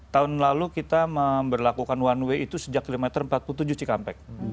tahun lalu kita memperlakukan one way itu sejak kilometer empat puluh tujuh cikampek